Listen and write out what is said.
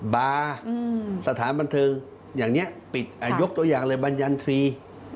บาร์สถานบันเทิงอย่างนี้ปิดยกตัวอย่างเลยบรรยันทรี